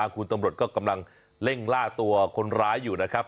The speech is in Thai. คุณตำรวจก็กำลังเร่งล่าตัวคนร้ายอยู่นะครับ